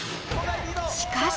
しかし。